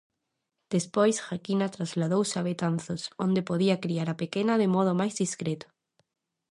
Despois Joaquina trasladouse a Betanzos, onde podía criar a pequena de modo máis discreto.